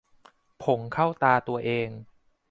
ผงเข้าตาตัวเอง